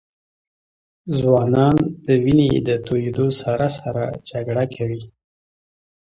ځوانان د وینې د تویېدو سره سره جګړه کوي.